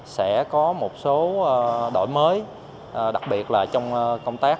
sẽ có một số đổi mới đặc biệt là trong công tác đoàn kết toàn dân